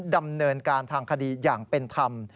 ดำเนินการทางคดีอย่างเป็นธรรม